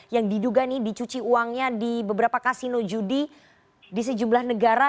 yang diduga nih dicuci uangnya di beberapa kasino judi di sejumlah negara